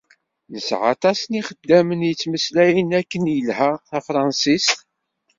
Nesɛa aṭas n yixeddamen yettmeslayen akken ilha tafṛansist.